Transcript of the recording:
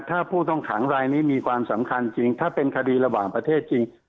ถ้าผู้ต้องขังรายนี้มีความสำคัญจริงถ้าเป็นคดีระหว่างประเทศจริง